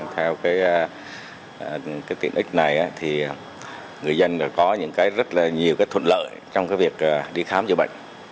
theo tiện ích này người dân có rất nhiều thuận lợi trong việc đi khám chữa bệnh